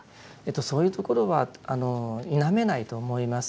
そういうところは否めないと思います。